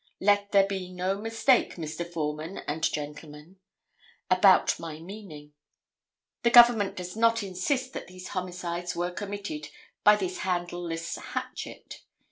Let there be no mistake, Mr. Foreman and gentlemen, about my meaning. The Government does not insist that these homicides were committed by this handleless hatchet.